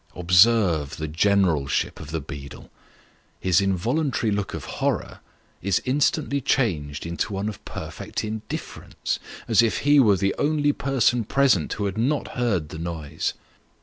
Observe the general ship of the beadle. His involuntary look of horror is instantly changed into one of perfect indifference, as if he were the only person present who had not heard the noise.